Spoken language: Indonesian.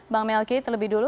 bang melki terlebih dulu